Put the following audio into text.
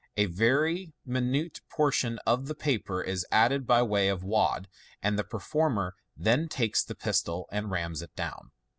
A very minute portion of paper is added by way of wad, and the performer then takes the pistol, and rams it down.